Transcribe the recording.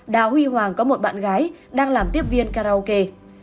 đào huy hoàng có một bạn gái đang làm tiếp viên karaoke